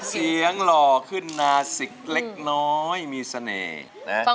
หล่อขึ้นนาสิกเล็กน้อยมีเสน่ห์นะ